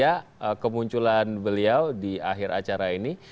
nanti kita tunggu saja kemunculan beliau di akhir acara ini